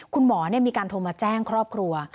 คุณหมอมีการโทรมาแจ้งครอบครัว